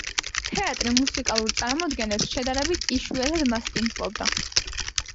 თეატრი მუსიკალურ წარმოდგენებს შედარებით იშვიათად მასპინძლობდა.